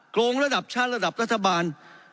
โรงระดับชาติระดับรัฐบาล